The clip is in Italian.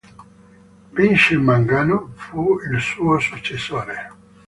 Vincent Mangano fu il suo successore.